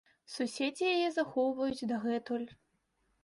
Суседзі яе захоўваюць дагэтуль.